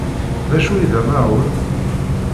D acu i d amaεun?